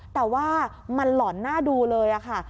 แต่ว่ามันหล่อนหน้าดูเลยค่ะ